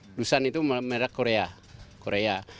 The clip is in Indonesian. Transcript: dudusan itu merek korea